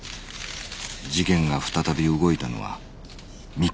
事件が再び動いたのは３日後だった